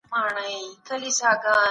تر څو هغه به مجبوره سوه او خلع به ئې وکړه.